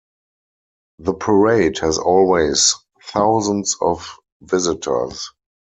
The parade has always thousands of visitors.